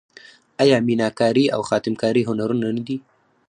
آیا میناکاري او خاتم کاري هنرونه نه دي؟